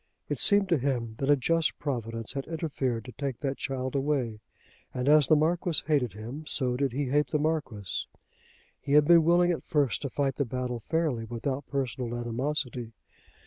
It seemed to him that a just Providence had interfered to take that child away. And as the Marquis hated him, so did he hate the Marquis. He had been willing at first to fight the battle fairly without personal animosity.